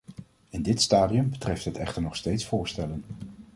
In dit stadium betreft het echter nog steeds voorstellen.